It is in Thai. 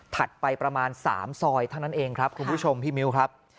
ไปประมาณ๓ซอยเท่านั้นเองครับคุณผู้ชมพี่มิ้วครับ